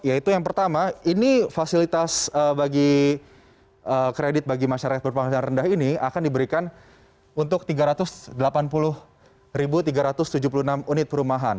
yaitu yang pertama ini fasilitas bagi kredit bagi masyarakat berpenghasilan rendah ini akan diberikan untuk tiga ratus delapan puluh tiga ratus tujuh puluh enam unit perumahan